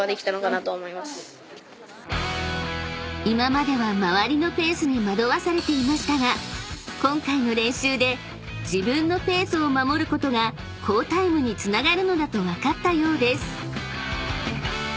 ［今までは周りのペースに惑わされていましたが今回の練習で自分のペースを守ることが好タイムにつながるのだと分かったようです］